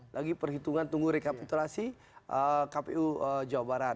lagi perhitungan tunggu rekapitulasi kpu jawa barat